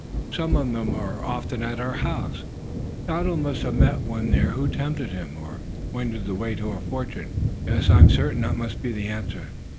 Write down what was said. Some of them are often at our house. Donald must have met one there who tempted him, or pointed the way to a fortune. Yes; I am certain that must be the answer."